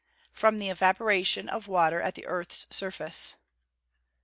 _ From the evaporation of water at the earth's surface.